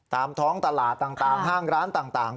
ตามท้องตลาดต่างห้างร้านต่าง